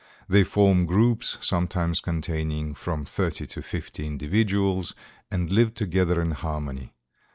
They form groups, sometimes containing from thirty to fifty individuals, and live together in harmony.